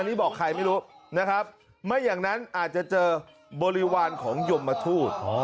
นี่บอกใครไม่รู้นะครับไม่อย่างนั้นอาจจะเจอบริวารของยมทูต